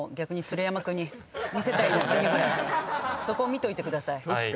そこを見といてください。